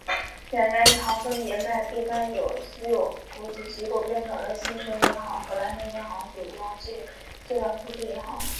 两家银行分别在被卖给私有投资机构后变成了新生银行和蓝天银行重组进了富士银行。